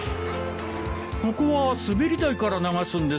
ここは滑り台から流すんですねえ。